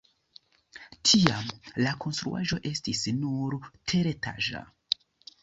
Tiam la konstruaĵo estis nur teretaĝa.